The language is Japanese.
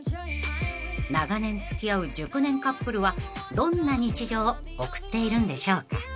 ［長年付き合う熟年カップルはどんな日常を送っているんでしょうか？］